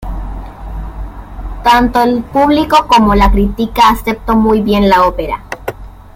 Tanto el público como la crítica aceptó muy bien la ópera.